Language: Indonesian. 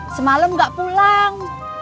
semalam gak pulang